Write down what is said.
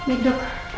hanya iman ada